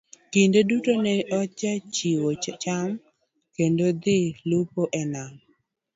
Kinde duto ne ajachiew chon kendo dhi lupo e Nam